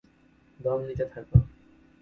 দম নিতে থাকো!